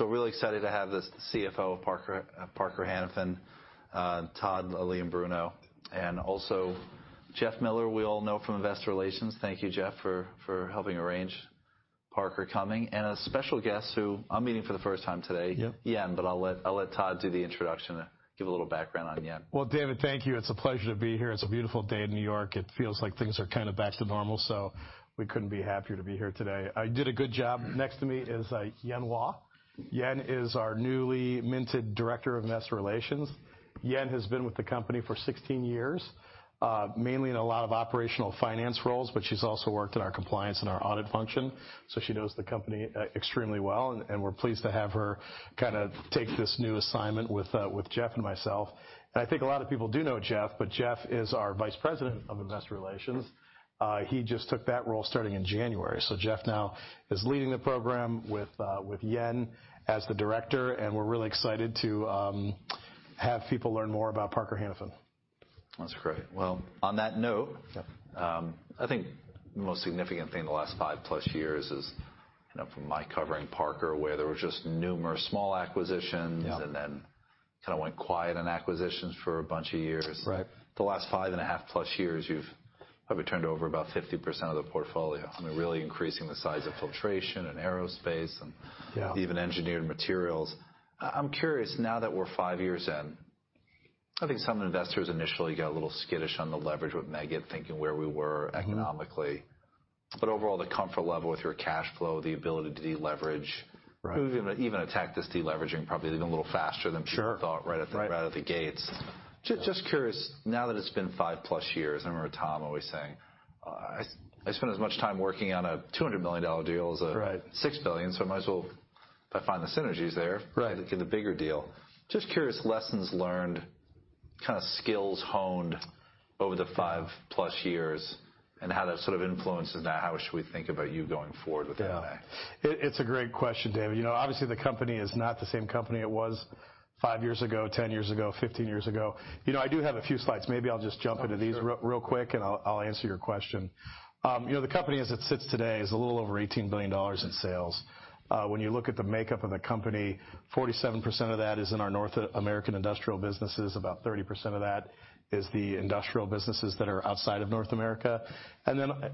Really excited to have the CFO of Parker-Hannifin, Todd M. Leombruno, and also Jeff Miller, we all know from Investor Relations. Thank you, Jeff, for helping arrange Parker coming. A special guest who I'm meeting for the first time today. Yep. Yen. I'll let Todd do the introduction and give a little background on Yen. Well, David, thank you. It's a pleasure to be here. It's a beautiful day in New York. It feels like things are kind of back to normal, we couldn't be happier to be here today. I did a good job. Next to me is Yen Wah. Yen is our newly minted Director of Investor Relations. Yen has been with the company for 16 years, mainly in a lot of operational finance roles, but she's also worked in our compliance and our audit function, she knows the company extremely well, and we're pleased to have her kinda take this new assignment with Jeff and myself. I think a lot of people do know Jeff is our Vice President of Investor Relations. He just took that role starting in January. Jeff now is leading the program with Yen as the director, and we're really excited to have people learn more about Parker-Hannifin. That's great. Well, on that note. Yeah... I think the most significant thing in the last 5+ years is, you know, from my covering Parker, where there was just numerous small acquisitions... Yeah... and then kind of went quiet on acquisitions for a bunch of years. Right. The last five and a half plus years, you've probably turned over about 50% of the portfolio. I mean, really increasing the size of filtration and aerospace and... Yeah... even engineered materials. I'm curious, now that we're five years in, I think some investors initially got a little skittish on the leverage with Meggitt thinking where we were economically. Mm-hmm. Overall, the comfort level with your cash flow, the ability to deleverage. Right. You've even attacked this deleveraging probably even a little faster than people thought. Sure, right.... right out of the gates. Just curious, now that it's been 5+ years, I remember Tom always saying, "I spend as much time working on a $200 million deal as a $6 billion. Right. I might as well, if I find the synergies there. Right. Get the bigger deal." Just curious, lessons learned, kind of skills honed over the 5+ years, how that sort of influences now, how should we think about you going forward with that in mind? Yeah. It's a great question, David. You know, obviously, the company is not the same company it was 5 years ago, 10 years ago, 15 years ago. You know, I do have a few slides. Maybe I'll just jump into these real quick, and I'll answer your question. You know, the company, as it sits today, is a little over $18 billion in sales. When you look at the makeup of the company, 47% of that is in our North American industrial businesses. About 30% of that is the industrial businesses that are outside of North America.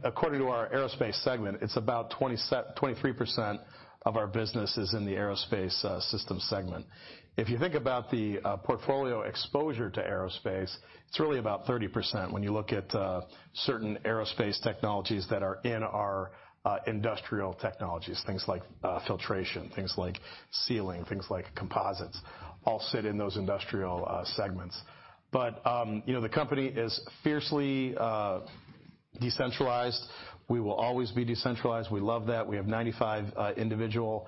According to our aerospace segment, it's about 23% of our business is in the aerospace system segment. If you think about the portfolio exposure to aerospace, it's really about 30% when you look at certain aerospace technologies that are in our industrial technologies. Things like filtration, things like sealing, things like composites all sit in those industrial segments. You know, the company is fiercely decentralized. We will always be decentralized. We love that. We have 95 individual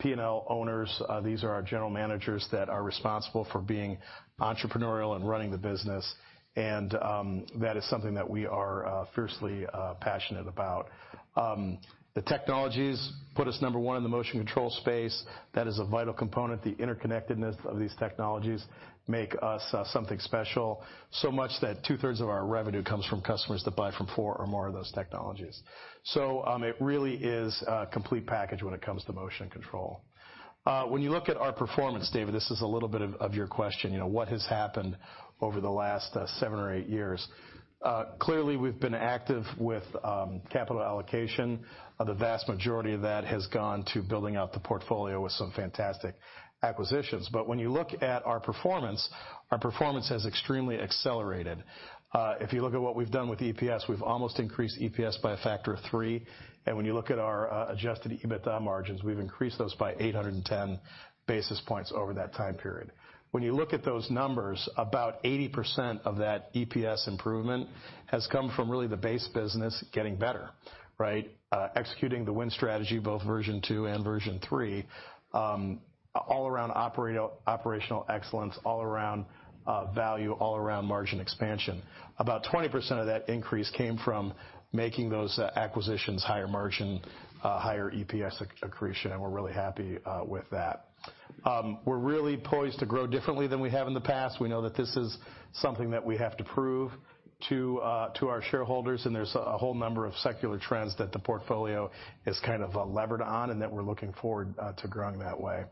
P&L owners. These are our general managers that are responsible for being entrepreneurial and running the business. That is something that we are fiercely passionate about. The technologies put us number one in the motion control space. That is a vital component. The interconnectedness of these technologies make us something special, so much that 2/3 of our revenue comes from customers that buy from four or more of those technologies. It really is a complete package when it comes to motion control. When you look at our performance, David, this is a little bit of your question, you know, what has happened over the last 7 or 8 years. Clearly we've been active with capital allocation. The vast majority of that has gone to building out the portfolio with some fantastic acquisitions. When you look at our performance, our performance has extremely accelerated. If you look at what we've done with EPS, we've almost increased EPS by a factor of 3. When you look at our Adjusted EBITDA margins, we've increased those by 810 basis points over that time period. When you look at those numbers, about 80% of that EPS improvement has come from really the base business getting better, right? Executing the Win Strategy, both version two and version three, all around operational excellence, all around value, all around margin expansion. About 20% of that increase came from making those acquisitions higher margin, higher EPS accretion. We're really happy with that. We're really poised to grow differently than we have in the past. We know that this is something that we have to prove to our shareholders. There's a whole number of secular trends that the portfolio is kind of levered on and that we're looking forward to growing that way.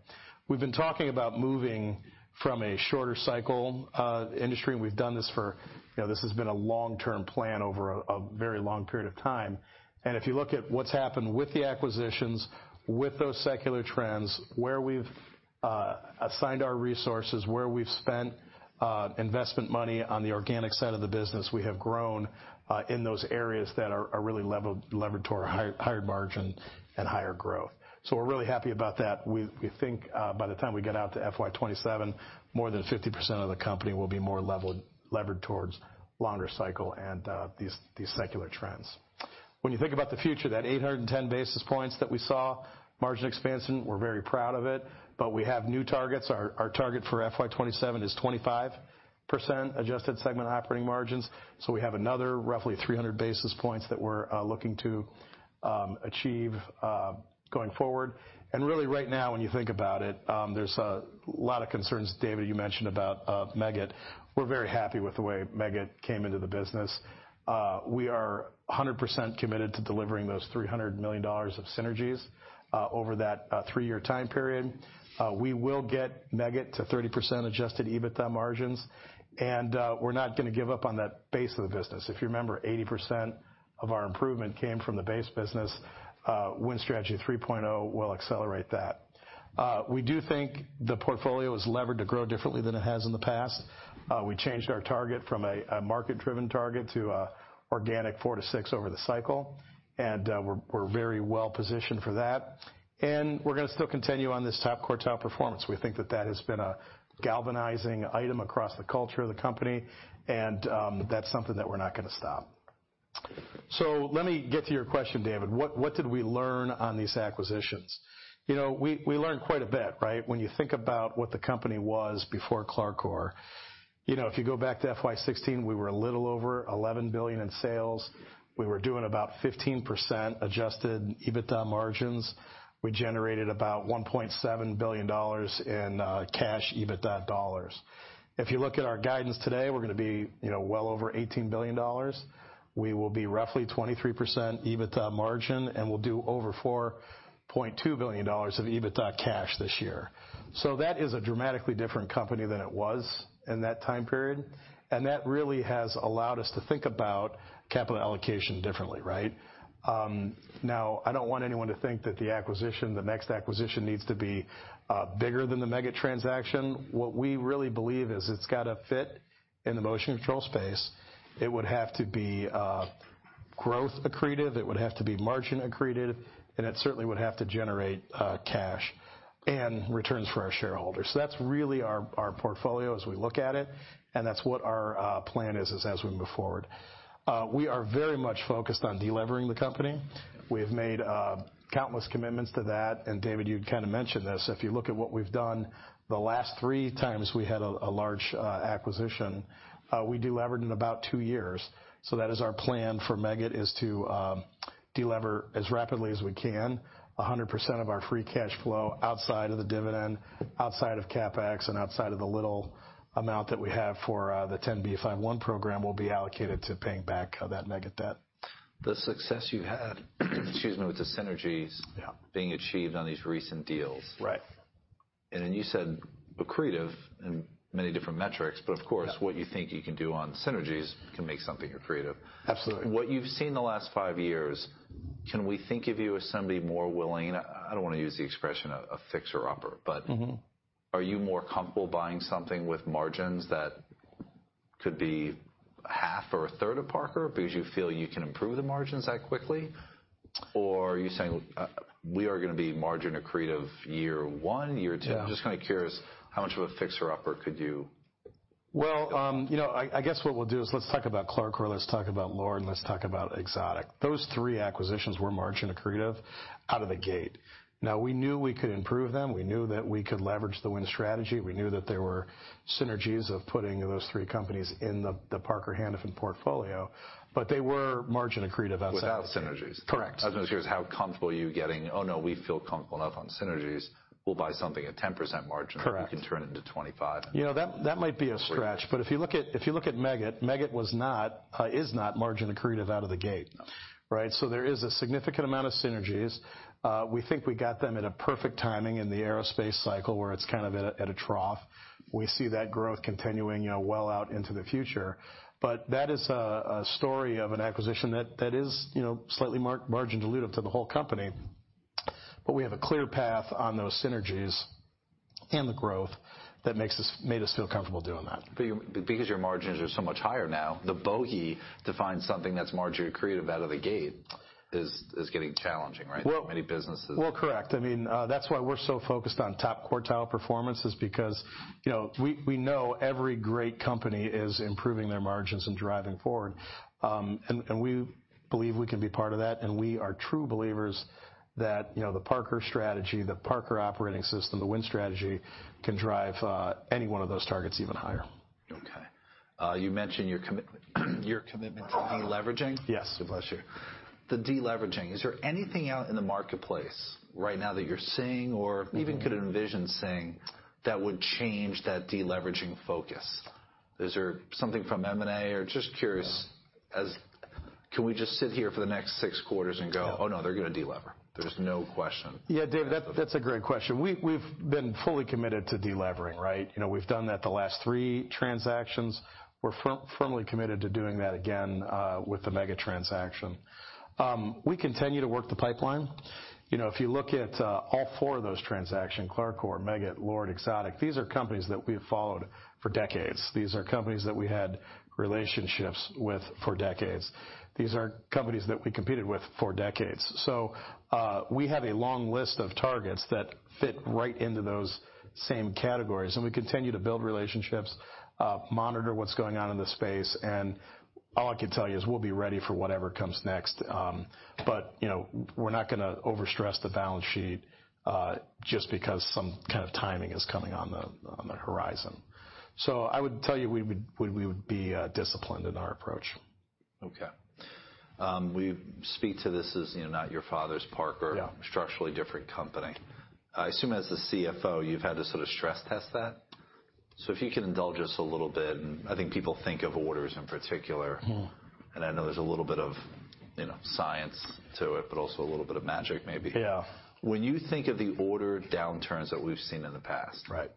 We've been talking about moving from a shorter cycle industry. We've done this for, you know, this has been a long-term plan over a very long period of time. If you look at what's happened with the acquisitions, with those secular trends, where we've assigned our resources, where we've spent investment money on the organic side of the business, we have grown in those areas that are really levered to our higher margin and higher growth. We're really happy about that. We think by the time we get out to FY 2027, more than 50% of the company will be more levered towards longer cycle and these secular trends. When you think about the future, that 810 basis points that we saw, margin expansion, we're very proud of it. We have new targets. Our target for FY 2027 is 25% adjusted segment operating margins. We have another roughly 300 basis points that we're looking to achieve going forward. Really right now, when you think about it, there's a lot of concerns, David, you mentioned about Meggitt. We're very happy with the way Meggitt came into the business. We are 100% committed to delivering those $300 million of synergies over that 3-year time period. We will get Meggitt to 30% Adjusted EBITDA margins, and we're not gonna give up on that base of the business. If you remember, 80% of our improvement came from the base business. Win Strategy 3.0 will accelerate that. We do think the portfolio is levered to grow differently than it has in the past. We changed our target from a market-driven target to a organic 4%-6% over the cycle, and we're very well-positioned for that. We're gonna still continue on this top quartile performance. We think that that has been a galvanizing item across the culture of the company and that's something that we're not gonna stop. Let me get to your question, David. What, what did we learn on these acquisitions? You know, we learned quite a bit, right? When you think about what the company was before CLARCOR, you know, if you go back to FY 2016, we were a little over $11 billion in sales. We were doing about 15% Adjusted EBITDA margins. We generated about $1.7 billion in cash EBITDA dollars. If you look at our guidance today, we're gonna be, you know, well over $18 billion. We will be roughly 23% EBITDA margin, and we'll do over $4.2 billion of EBITDA cash this year. That is a dramatically different company than it was in that time period, and that really has allowed us to think about capital allocation differently, right? Now I don't want anyone to think that the acquisition, the next acquisition needs to be bigger than the Meggitt transaction. What we really believe is it's gotta fit in the motion control space. It would have to be growth accretive, it would have to be margin accretive, and it certainly would have to generate cash and returns for our shareholders. That's really our portfolio as we look at it. That's what our plan is as we move forward. We are very much focused on delevering the company. We have made countless commitments to that. David, you kind of mentioned this. If you look at what we've done the last three times we had a large acquisition, we delevered in about two years. That is our plan for Meggitt, is to delever as rapidly as we can. 100% of our free cash flow outside of the dividend, outside of CapEx, and outside of the little amount that we have for the 10b5-1 program will be allocated to paying back that Meggitt debt. The success you had, excuse me, with the synergies. Yeah. Being achieved on these recent deals. Right. You said accretive in many different metrics, but of course. Yeah. what you think you can do on synergies can make something accretive. Absolutely. What you've seen the last five years, can we think of you as somebody more willing? I don't wanna use the expression a fixer-upper, but. Mm-hmm. Are you more comfortable buying something with margins that could be half or a third of Parker because you feel you can improve the margins that quickly? Are you saying, we are gonna be margin accretive year one, year two? Yeah. I'm just kind of curious how much of a fixer-upper could you... Well, you know, I guess what we'll do is let's talk about CLARCOR, let's talk about LORD, let's talk about Exotic. Those three acquisitions were margin accretive out of the gate. We knew we could improve them, we knew that we could leverage The Win Strategy, we knew that there were synergies of putting those three companies in the Parker-Hannifin portfolio, but they were margin accretive. Without synergies. Correct. I was just curious how comfortable are you getting, "Oh, no, we feel comfortable enough on synergies. We'll buy something at 10% margin- Correct. we can turn into 25. You know, that might be a stretch, but if you look at Meggitt was not, is not margin accretive out of the gate. Okay. Right? There is a significant amount of synergies. We think we got them at a perfect timing in the aerospace cycle, where it's kind of at a, at a trough. We see that growth continuing, you know, well out into the future. That is a story of an acquisition that is, you know, slightly margin dilutive to the whole company. We have a clear path on those synergies and the growth that made us feel comfortable doing that. Because your margins are so much higher now, the bogey to find something that's margin accretive out of the gate is getting challenging, right? Well- Many businesses Well, correct. I mean, that's why we're so focused on top quartile performance is because, you know, we know every great company is improving their margins and driving forward. We believe we can be part of that, and we are true believers that, you know, the Parker strategy, the Parker operating system, The Win Strategy can drive any one of those targets even higher. Okay. You mentioned your commitment to deleveraging. Yes. Bless you. The deleveraging, is there anything out in the marketplace right now that you're seeing or even could envision seeing that would change that deleveraging focus? Is there something from M&A? Or just curious- Yeah. Can we just sit here for the next six quarters and go- Yeah. Oh, no, they're gonna delever. There's no question. Yeah, David, that's a great question. We've been fully committed to delevering, right? You know, we've done that the last 3 transactions. We're firmly committed to doing that again with the Meggitt transaction. We continue to work the pipeline. You know, if you look at all 4 of those transaction, CLARCOR, Meggitt, LORD, Exotic, these are companies that we've followed for decades. These are companies that we had relationships with for decades. These are companies that we competed with for decades. we have a long list of targets that fit right into those same categories, and we continue to build relationships, monitor what's going on in the space, and all I can tell you is we'll be ready for whatever comes next. you know, we're not gonna overstress the balance sheet, just because some kind of timing is coming on the, on the horizon. I would tell you, we would be disciplined in our approach. Okay. We speak to this as, you know, not your father's Parker. Yeah. Structurally different company. I assume as the CFO, you've had to sort of stress test that. If you could indulge us a little bit, and I think people think of orders in particular. Mm-hmm. I know there's a little bit of, you know, science to it, but also a little bit of magic maybe. Yeah. When you think of the order downturns that we've seen in the past. Right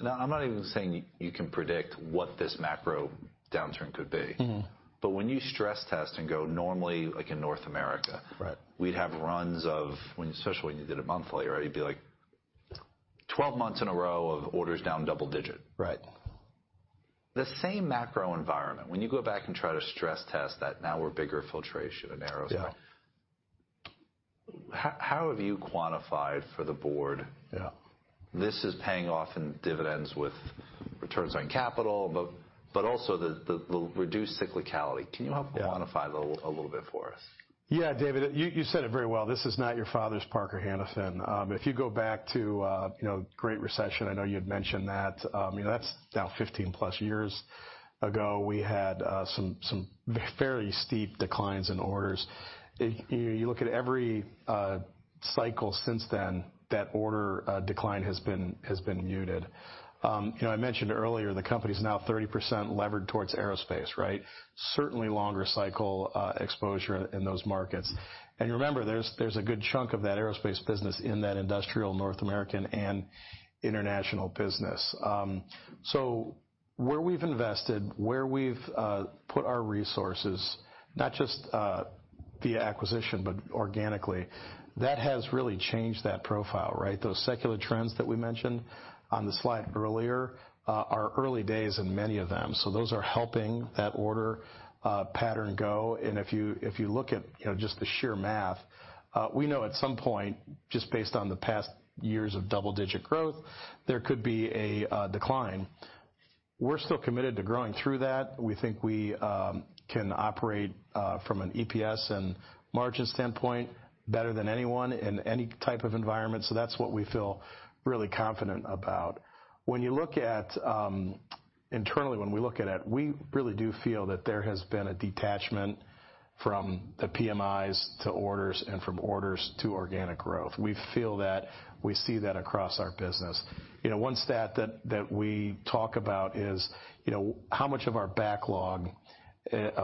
Now, I'm not even saying you can predict what this macro downturn could be. Mm-hmm. When you stress test and go normally like in North America. Right. We'd have runs of especially when you did it monthly, right? You'd be like 12 months in a row of orders down double digit. Right. The same macro environment. When you go back and try to stress test that, now we're bigger filtration and aerospace. Yeah. How have you quantified for the board? Yeah. -this is paying off in dividends with returns on capital, but also the reduced cyclicality. Can you help- Yeah. quantify a little bit for us? Yeah, David, you said it very well. This is not your father's Parker-Hannifin. If you go back to, you know, great recession, I know you had mentioned that, you know, that's now 15+ years ago, we had some fairly steep declines in orders. You look at every cycle since then, that order decline has been muted. You know, I mentioned earlier, the company's now 30% levered towards aerospace, right? Certainly longer cycle exposure in those markets. Remember, there's a good chunk of that aerospace business in that industrial North American and international business. Where we've invested, where we've put our resources, not just via acquisition, but organically, that has really changed that profile, right? Those secular trends that we mentioned on the slide earlier, are early days in many of them. Those are helping that order pattern go. If you look at, you know, just the sheer math, we know at some point, just based on the past years of double-digit growth, there could be a decline. We're still committed to growing through that. We think we can operate from an EPS and margins standpoint better than anyone in any type of environment. That's what we feel really confident about. When you look at, internally, when we look at it, we really do feel that there has been a detachment from the PMIs to orders and from orders to organic growth. We feel that we see that across our business. You know, one stat that we talk about is, you know, how much of our backlog,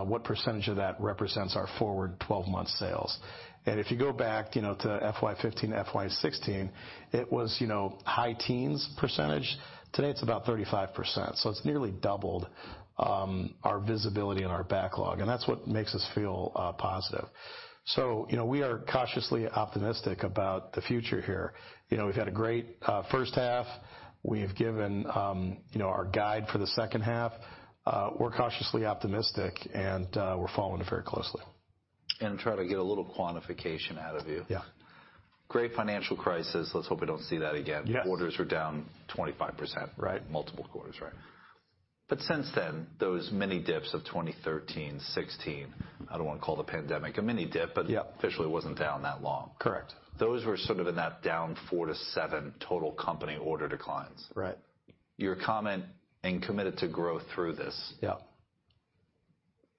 what percentage of that represents our forward 12 months sales. If you go back, you know, to FY 2015, FY 2016, it was, you know, high teens percentage. Today, it's about 35%. It's nearly doubled our visibility and our backlog, and that's what makes us feel positive. You know, we are cautiously optimistic about the future here. You know, we've had a great first half. We have given, you know, our guide for the second half. We're cautiously optimistic, and we're following it very closely. I'm trying to get a little quantification out of you. Yeah. Great financial crisis. Let's hope we don't see that again. Yes. Orders are down 25%. Right. Multiple quarters, right? Since then, those mini dips of 2013, 2016, I don't want to call the pandemic a mini dip- Yeah. Officially it wasn't down that long. Correct. Those were sort of in that down 4%-7% total company order declines. Right. Your comment in committed to grow through this. Yeah.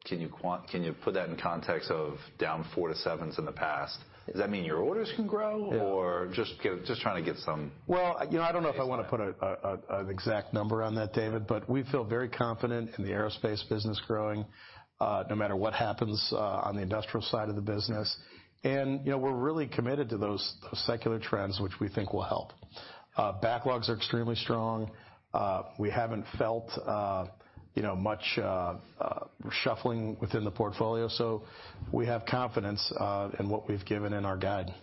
Can you put that in context of down 4 to 7s in the past? Does that mean your orders can grow- Yeah. Just trying to get some... Well, you know, I don't know if I wanna put an exact number on that, David, but we feel very confident in the aerospace business growing, no matter what happens on the industrial side of the business. You know, we're really committed to those secular trends, which we think will help. Backlogs are extremely strong. We haven't felt, you know, much shuffling within the portfolio, so we have confidence in what we've given in our guide.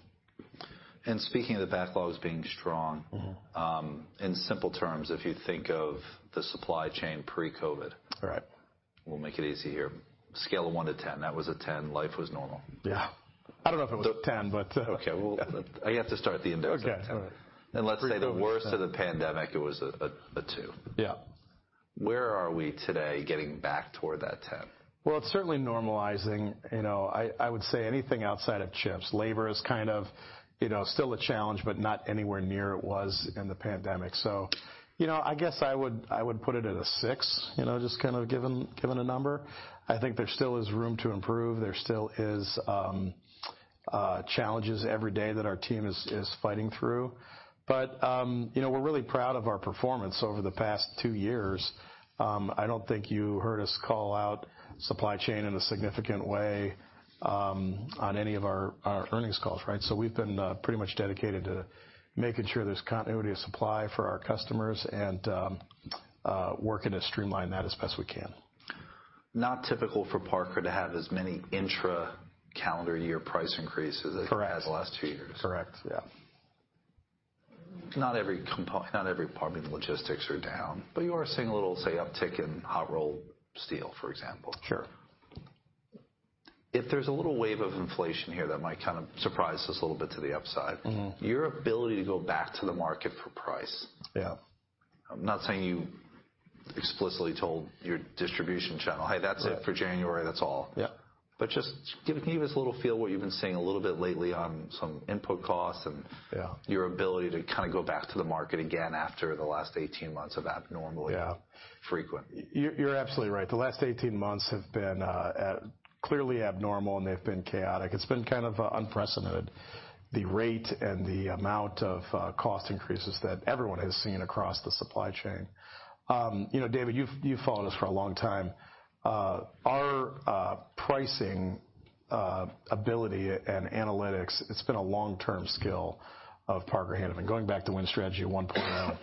Speaking of the backlogs being strong. Mm-hmm. In simple terms, if you think of the supply chain pre-COVID. Right. We'll make it easy here. Scale of 1 to 10, that was a 10, life was normal. Yeah. I don't know if it was a 10, but. Okay, well, I have to start the index at 10. Okay. All right. Let's say the worst of the pandemic, it was a two. Yeah. Where are we today getting back toward that 10? Well, it's certainly normalizing. You know, I would say anything outside of chips. Labor is kind of, you know, still a challenge, but not anywhere near it was in the pandemic. You know, I guess I would, I would put it at a 6, you know, just kind of giving a number. I think there still is room to improve. There still is challenges every day that our team is fighting through. But, you know, we're really proud of our performance over the past two years. I don't think you heard us call out supply chain in a significant way on any of our earnings calls, right? We've been pretty much dedicated to making sure there's continuity of supply for our customers and working to streamline that as best we can. Not typical for Parker to have as many intra calendar year price increases. Correct. as the last two years. Correct. Yeah. Not every part of the logistics are down, but you are seeing a little, say, uptick in hot rolled steel, for example. Sure. If there's a little wave of inflation here that might kind of surprise us a little bit to the upside- Mm-hmm. your ability to go back to the market for price. Yeah. I'm not saying you explicitly told your distribution channel, "Hey, that's it for January. That's all. Yeah. just give me this little feel what you've been seeing a little bit lately on some input costs. Yeah. -your ability to kind of go back to the market again after the last 18 months of abnormally- Yeah. -frequent. You're absolutely right. The last 18 months have been clearly abnormal, and they've been chaotic. It's been kind of unprecedented, the rate and the amount of cost increases that everyone has seen across the supply chain. You know, David, you've followed us for a long time. Our pricing and analytics, it's been a long-term skill of Parker-Hannifin, going back to Win Strategy 1.0.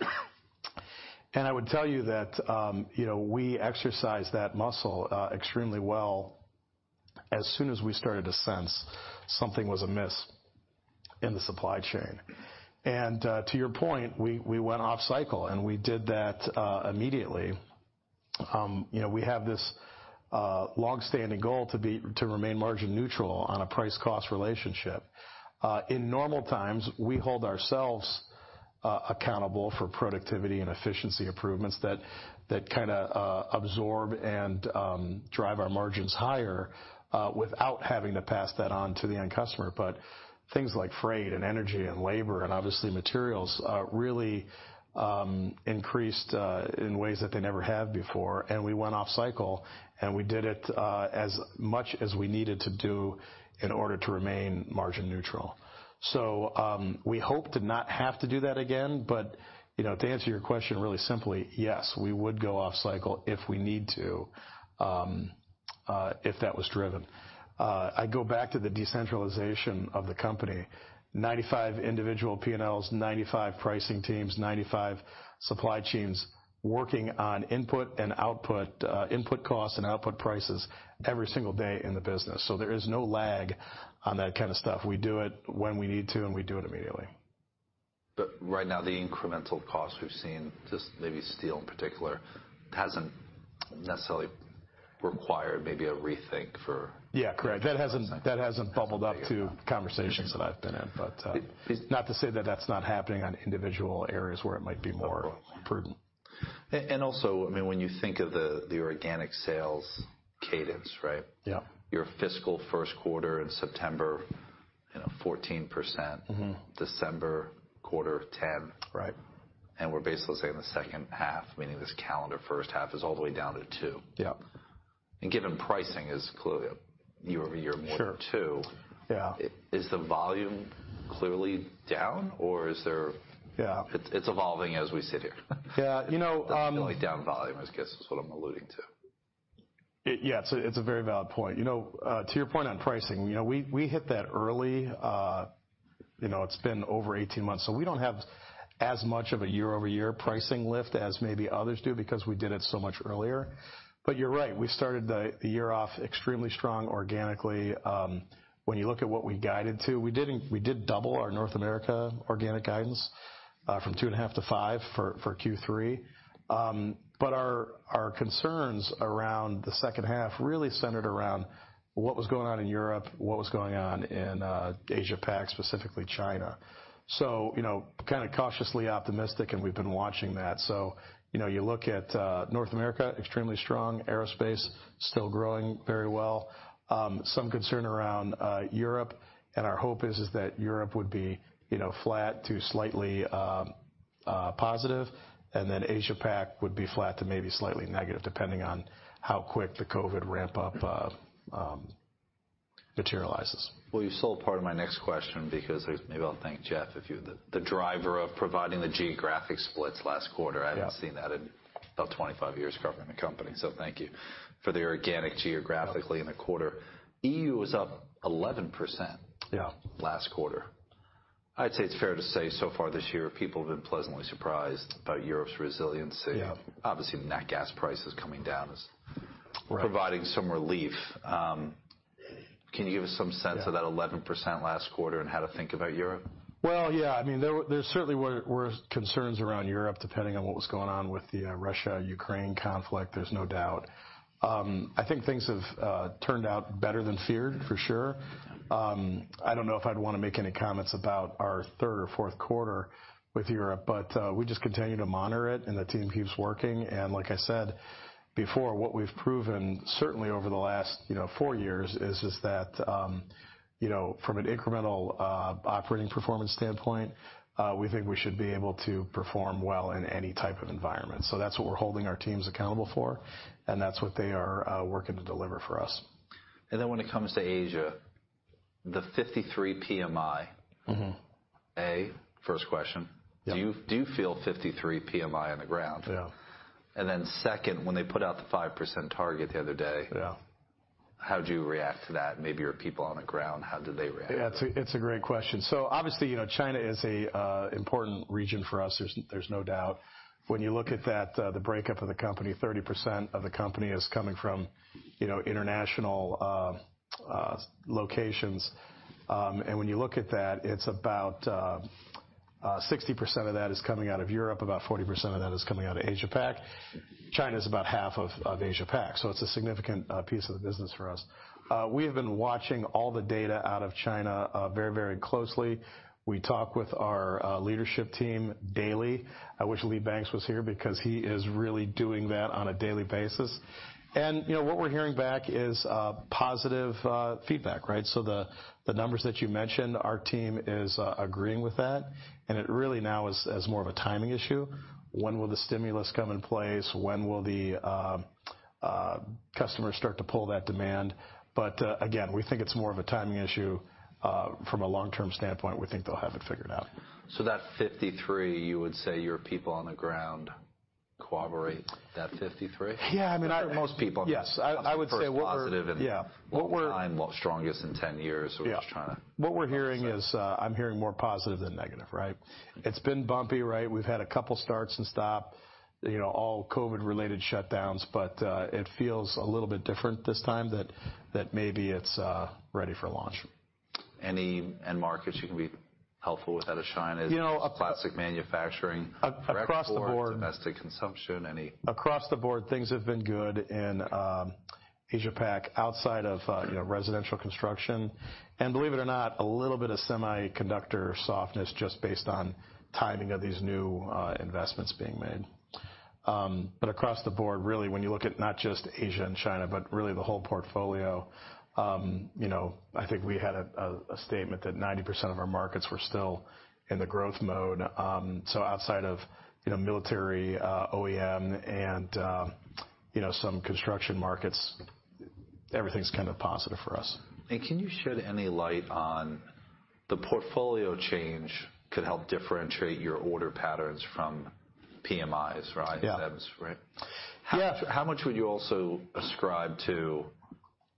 I would tell you that, you know, we exercise that muscle extremely well as soon as we started to sense something was amiss in the supply chain. To your point, we went off cycle, and we did that immediately. You know, we have this long-standing goal to remain margin neutral on a price-cost relationship. In normal times, we hold ourselves accountable for productivity and efficiency improvements that kinda absorb and drive our margins higher, without having to pass that on to the end customer. Things like freight and energy and labor and obviously materials, really increased in ways that they never have before. We went off cycle, and we did it as much as we needed to do in order to remain margin neutral. We hope to not have to do that again, but, you know, to answer your question really simply, yes, we would go off cycle if we need to, if that was driven. I go back to the decentralization of the company. 95 individual P&Ls, 95 pricing teams, 95 supply chains working on input and output, input costs and output prices every single day in the business. There is no lag on that kinda stuff. We do it when we need to, and we do it immediately. Right now, the incremental cost we've seen, just maybe steel in particular, hasn't necessarily required maybe a rethink for. Yeah. Correct. the last nine months. That hasn't bubbled up to conversations that I've been in. Not to say that that's not happening on individual areas where it might be more prudent. Also, I mean, when you think of the organic sales cadence, right? Yeah. Your fiscal first quarter in September, you know, 14%. Mm-hmm. December quarter, 10. Right. We're basically saying the second half, meaning this calendar first half is all the way down to 2. Yeah. Given pricing is clearly year-over-year more than two-. Sure. Yeah... is the volume clearly down or is there? Yeah. It's evolving as we sit here. Yeah. You know. down volume, I guess, is what I'm alluding to. Yeah. It's a very valid point. You know, to your point on pricing, you know, we hit that early. You know, it's been over 18 months, so we don't have as much of a year-over-year pricing lift as maybe others do because we did it so much earlier. You're right, we started the year off extremely strong organically. When you look at what we guided to, we did double our North America organic guidance from 2.5%-5% for Q3. But our concerns around the second half really centered around what was going on in Europe, what was going on in Asia Pac, specifically China. You know, kinda cautiously optimistic, and we've been watching that. You know, you look at North America, extremely strong. Aerospace, still growing very well. Some concern around Europe, and our hope is that Europe would be, you know, flat to slightly positive. Asia Pac would be flat to maybe slightly negative, depending on how quick the COVID ramp-up materializes. Well, you stole part of my next question because Maybe I'll thank Jeff. The driver of providing the geographic splits last quarter. Yeah. I haven't seen that in about 25 years covering the company. Thank you. For the organic geographically in the quarter, EU was up 11%. Yeah... last quarter. I'd say it's fair to say so far this year, people have been pleasantly surprised by Europe's resiliency. Yeah. Obviously, nat gas prices coming down. Right... providing some relief. Can you give us some sense of that 11% last quarter and how to think about Europe? Well, yeah. I mean, there certainly were concerns around Europe, depending on what was going on with the Russia-Ukraine conflict, there's no doubt. I think things have turned out better than feared, for sure. I don't know if I'd wanna make any comments about our third or fourth quarter with Europe, but we just continue to monitor it and the team keeps working. Like I said before, what we've proven certainly over the last, you know, four years is that, you know, from an incremental operating performance standpoint, we think we should be able to perform well in any type of environment. That's what we're holding our teams accountable for, and that's what they are working to deliver for us. When it comes to Asia, the 53 PMI. Mm-hmm. First question: Do you feel 53 PMI on the ground? Yeah. Second, when they put out the 5% target the other day. Yeah how'd you react to that and maybe your people on the ground, how did they react? Yeah. It's a great question. Obviously, you know, China is a important region for us. There's no doubt. When you look at that, the breakup of the company, 30% of the company is coming from, you know, international locations. When you look at that, it's about 60% of that is coming out of Europe, about 40% of that is coming out of Asia Pac. China is about half of Asia Pac, so it's a significant piece of the business for us. We have been watching all the data out of China very, very closely. We talk with our leadership team daily. I wish Lee Banks was here because he is really doing that on a daily basis. You know, what we're hearing back is positive feedback, right? The numbers that you mentioned, our team is agreeing with that, and it really now is more of a timing issue. When will the stimulus come in place? When will the customers start to pull that demand? Again, we think it's more of a timing issue. From a long-term standpoint, we think they'll have it figured out. That 53, you would say your people on the ground corroborate that 53? Yeah, I mean... Most people- Yes. I would say. First positive. Yeah ...a long time. Strongest in 10 years. Yeah. I'm just trying to understand. What we're hearing is, I'm hearing more positive than negative, right? It's been bumpy, right. We've had a couple starts and stop, you know, all COVID-related shutdowns. It feels a little bit different this time that maybe it's, ready for launch. Any end markets you can be helpful with how to shine is- You know. ...classic manufacturing. Across the board. Direct or domestic consumption. Across the board, things have been good in Asia Pac, outside of, you know, residential construction. Believe it or not, a little bit of semiconductor softness just based on timing of these new investments being made. Across the board, really, when you look at not just Asia and China, but really the whole portfolio, you know, I think we had a statement that 90% of our markets were still in the growth mode. Outside of, you know, military, OEM and, you know, some construction markets, everything's kind of positive for us. Can you shed any light on the portfolio change could help differentiate your order patterns from PMIs, right? Yeah. Them's, right? Yeah. How much would you also ascribe to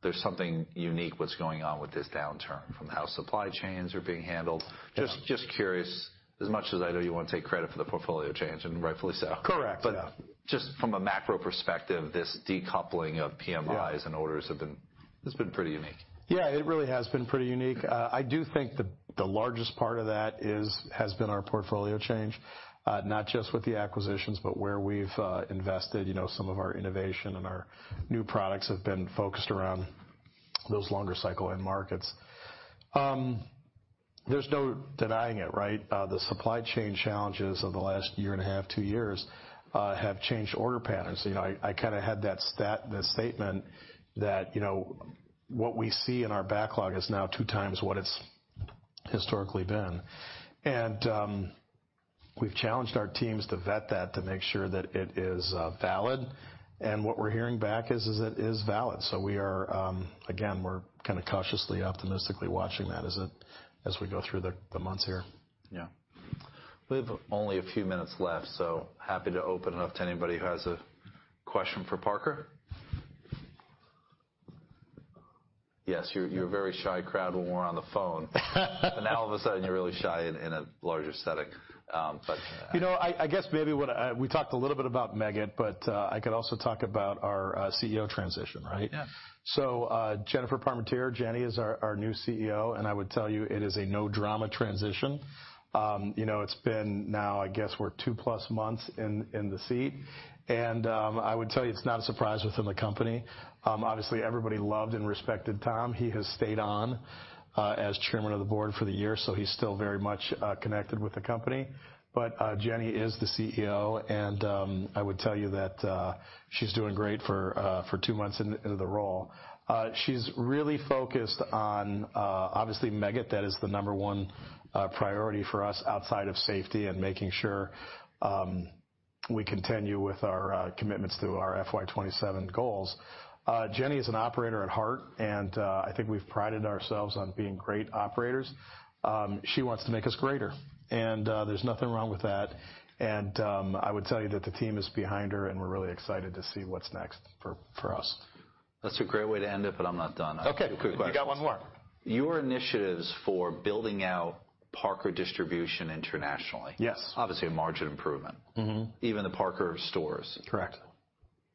there's something unique what's going on with this downturn from how supply chains are being handled? Yeah. Just curious, as much as I know you want to take credit for the portfolio change, and rightfully so. Correct. Yeah. Just from a macro perspective, this decoupling of PMIs. Yeah orders have been... It's been pretty unique. It really has been pretty unique. I do think the largest part of that has been our portfolio change, not just with the acquisitions, but where we've invested, you know, some of our innovation and our new products have been focused around those longer cycle end markets. There's no denying it, right? The supply chain challenges of the last 1.5 years, 2 years have changed order patterns. You know, I kind of had that statement that, you know, what we see in our backlog is now 2x what it's historically been. We've challenged our teams to vet that to make sure that it is valid. What we're hearing back is it is valid. We are, again, we're kind of cautiously, optimistically watching that as it, as we go through the months here. We have only a few minutes left, so happy to open it up to anybody who has a question for Parker. You're a very shy crowd when we're on the phone. Now all of a sudden you're really shy in a larger setting. You know, We talked a little bit about Meggitt, but I could also talk about our CEO transition, right? Yeah. Jennifer Parmentier, Jenny is our new CEO, I would tell you it is a no drama transition. You know, it's been now, I guess, we're 2-plus months in the seat. I would tell you it's not a surprise within the company. Obviously everybody loved and respected Tom. He has stayed on as chairman of the board for the year, so he's still very much connected with the company. Jenny is the CEO, I would tell you that she's doing great for for 2 months into the role. She's really focused on obviously Meggitt. That is the number 1 priority for us outside of safety and making sure we continue with our commitments to our FY 2027 goals. Jenny is an operator at heart, and I think we've prided ourselves on being great operators. She wants to make us greater, and there's nothing wrong with that. I would tell you that the team is behind her, and we're really excited to see what's next for us. That's a great way to end it, but I'm not done. Okay. Two quick questions. You got one more. Your initiatives for building out Parker Distribution internationally. Yes ...obviously a margin improvement. Mm-hmm. Even the Parker stores.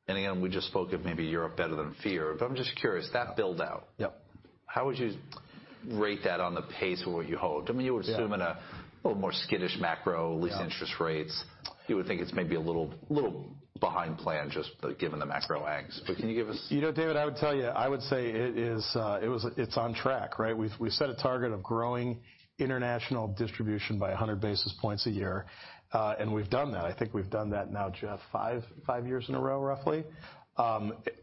Correct. We just spoke of maybe Europe better than fear, but I'm just curious, that build-out. Yep ...how would you rate that on the pace where you hoped? I mean, you would assume in a. Yeah ...little more skittish macro, lease interest rates, you would think it's maybe a little behind plan just given the macro angst. Can you give us- You know, David, I would tell you, I would say it's on track, right? We've, we set a target of growing international distribution by 100 basis points a year, and we've done that. I think we've done that now, Jeff, five years in a row, roughly.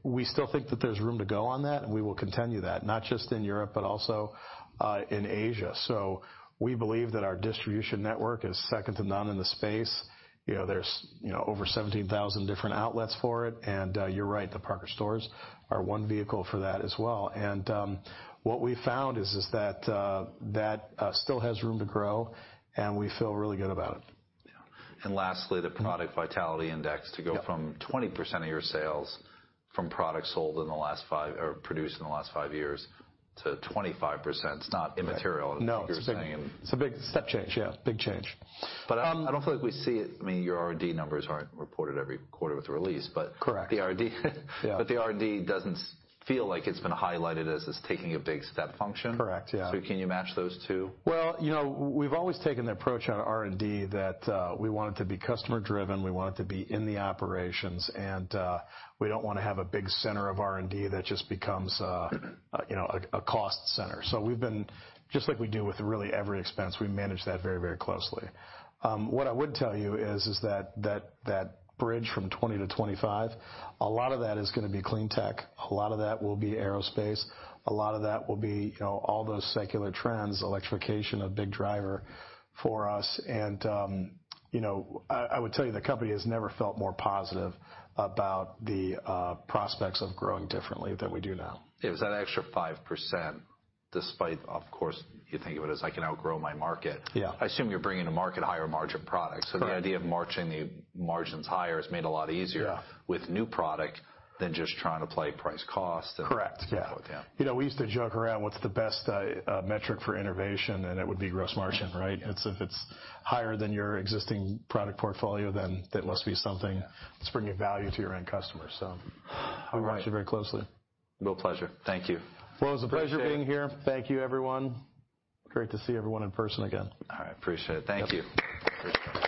We still think that there's room to go on that, and we will continue that, not just in Europe, but also in Asia. We believe that our distribution network is second to none in the space. You know, there's, you know, over 17,000 different outlets for it. You're right, the Parker stores are one vehicle for that as well. What we found is that still has room to grow, and we feel really good about it. Yeah. Lastly, the Product Vitality Index to go from 20% of your sales from products sold in the last five or produced in the last five years to 25%, it's not immaterial. No. What you're saying- It's a big step change. Yeah. Big change. I don't feel like we see it. I mean, your R&D numbers aren't reported every quarter with the release. Correct ...the R&D, but the R&D doesn't feel like it's been highlighted as it's taking a big step function. Correct. Yeah. Can you match those two? Well, you know, we've always taken the approach on R&D that, we want it to be customer driven. We want it to be in the operations and, we don't wanna have a big center of R&D that just becomes, you know, a cost center. We've been, just like we do with really every expense, we manage that very, very closely. What I would tell you is that bridge from 2020-2025, a lot of that is gonna be clean tech. A lot of that will be aerospace. A lot of that will be, you know, all those secular trends, electrification, a big driver for us. You know, I would tell you, the company has never felt more positive about the prospects of growing differently than we do now. Is that extra 5%, despite, of course, you think of it as I can outgrow my market-. Yeah I assume you're bringing to market higher margin products. Correct. The idea of marching the margins higher is made a lot easier. Yeah ...with new product than just trying to play price cost. Correct. Yeah. Yeah. You know, we used to joke around what's the best metric for innovation, it would be gross margin, right? It's if it's higher than your existing product portfolio, then that must be something that's bringing value to your end customer. All right. we watch it very closely. Real pleasure. Thank you. Well, it was a pleasure being here. Thank you, everyone. Great to see everyone in person again. All right. Appreciate it. Thank you.